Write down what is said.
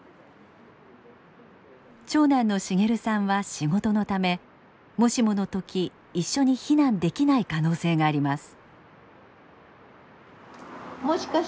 長男の茂さんは仕事のためもしもの時一緒に避難できない可能性があります。